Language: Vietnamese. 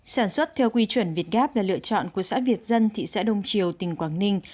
sản xuất theo quy chuẩn việt gap là lựa chọn của xã việt dân thị xã đông triều tỉnh quảng ninh